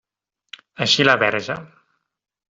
Així la Verge.